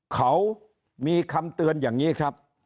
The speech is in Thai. เขามีคำเตือนอย่างนี้ครับ